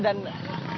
dan bisa dikira